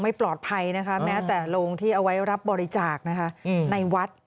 ไม่ปลอดภัยนะคะแม้แต่โรงที่เอาไว้รับบริจาคนะคะในวัด